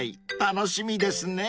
［楽しみですね］